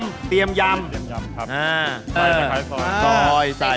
อ๋อละเปรี้ยมยำ